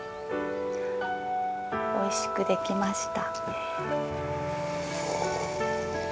おいしくできました。